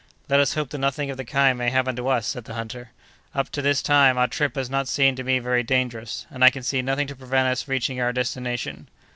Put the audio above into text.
"Let us hope that nothing of the kind may happen to us," said the hunter. "Up to this time our trip has not seemed to me very dangerous, and I can see nothing to prevent us reaching our destination."